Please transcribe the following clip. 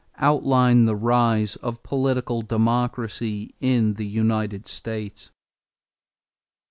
Outline the rise of political democracy in the United States.